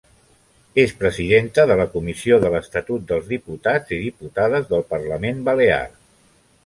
És presidenta de la Comissió de l'estatut dels diputats i diputades del Parlament Balear.